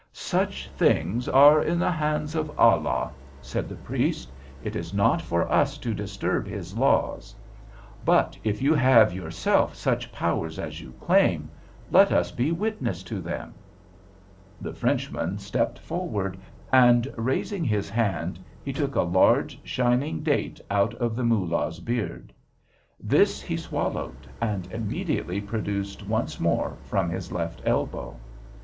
"Such things are in the hands of Allah," said the priest. "It is not for us to disturb His laws. But if you have yourself such powers as you claim, let us be witnesses to them." [Illustration: Took a large, shining date out of the Moolah's beard p210] The Frenchman stepped forward, and raising his hand he took a large, shining date out of the Moolah's beard. This he swallowed and immediately produced once more from his left elbow.